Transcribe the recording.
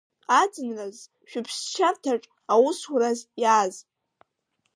Аӡынраз шәыԥсшьарҭаҿ аусураз иааз.